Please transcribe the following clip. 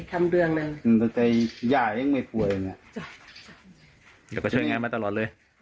ผมเว่ะไม่มีไม่ช่วยตลอด